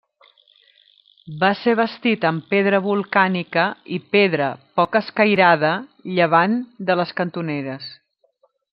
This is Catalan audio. Va ser bastit amb pedra volcànica i pedra poc escairada llevant de les cantoneres.